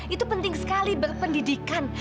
itu penting sekali berpendidikan